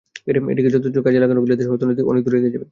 এটিকে যথাযথভাবে কাজে লাগানো গেলে দেশের অর্থনীতি অনেক দূর এগিয়ে যাবে।